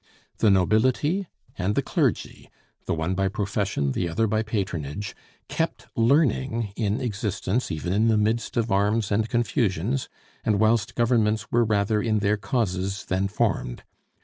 The nobility and the clergy, the one by profession, the other by patronage, kept learning in existence even in the midst of arms and confusions, and whilst governments were rather in their causes than formed.